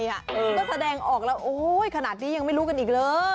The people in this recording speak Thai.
ถ้าแสดงออกโอ้ยยยขนาดที่ยังไม่รู้กันอีกเร้อ